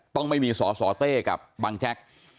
ต้องไม่มีสสเต้กับบังแจ๊ก